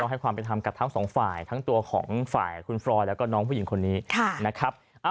ให้ความเป็นธรรมกับทั้งสองฝ่ายทั้งตัวของฝ่ายคุณฟรอยแล้วก็น้องผู้หญิงคนนี้นะครับ